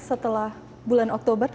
setelah bulan oktober